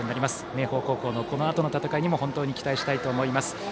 明豊高校のこのあとの戦いにも期待したいと思います。